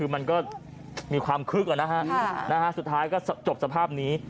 มันก็มีความคึกเลยนะคะจบสภาพนี้